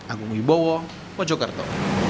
agung ibowo mojokerto